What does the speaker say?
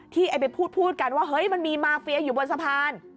ไอ้ไปพูดกันว่าเฮ้ยมันมีมาเฟียอยู่บนสะพาน